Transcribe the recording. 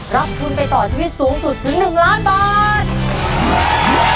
รับทุนไปต่อชีวิตสูงสุดถึง๑ล้านบาท